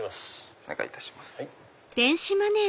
お願いいたします。